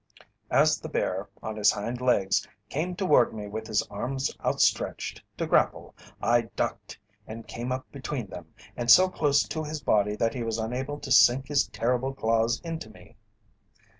As the bear, on his hind legs, came toward me with his arms outstretched, to grapple, I ducked and came up between them, and so close to his body that he was unable to sink his terrible claws into me.